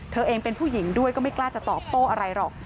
เธอเองเป็นผู้หญิงด้วยก็ไม่กล้าจะตอบโต้อะไรหรอก